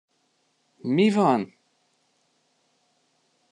Mi van?!